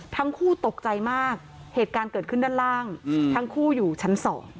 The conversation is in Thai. ทั้งคู่ตกใจมากเหตุการณ์เกิดขึ้นด้านล่างทั้งคู่อยู่ชั้น๒